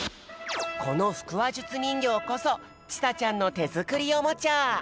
このふくわじゅつにんぎょうこそちさちゃんのてづくりおもちゃ！